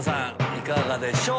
いかがでしょう。